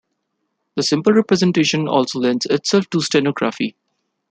The simple representation also lends itself to steganography.